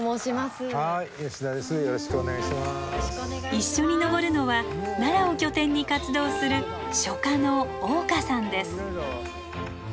一緒に登るのは奈良を拠点に活動する書家の香さんです。